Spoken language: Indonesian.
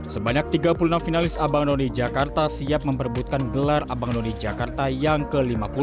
sebanyak tiga puluh enam finalis abang none jakarta siap memperbutkan gelar abang noni jakarta yang ke lima puluh